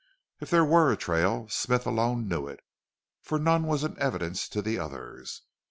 If there were a trail Smith alone knew it, for none was in evidence to the others.